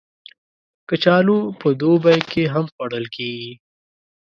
کچالو په دوبی کې هم خوړل کېږي